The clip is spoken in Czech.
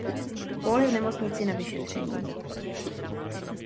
Paul je v nemocnici na vyšetření.